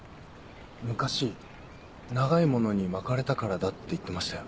昔長い物に巻かれたからだって言ってましたよ